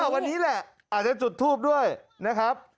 วันนี้แหละอาจจะจุดทูปด้วยนะครับ